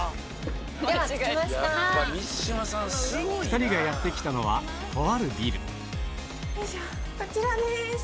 ２人がやって来たのはとあるビルこちらです。